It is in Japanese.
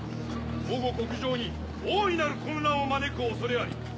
向後国情に大いなる混乱を招く恐れあり。